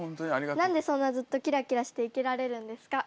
何でそんなずっとキラキラして生きられるんですか？